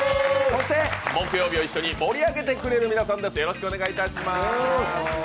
そして木曜日を一緒に盛り上げてくれる皆さんです。